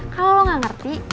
kalau lo gak ngerti